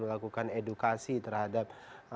melakukan edukasi terhadap